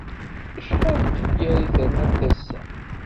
Acḥal n tefyar ay ternamt ass-a?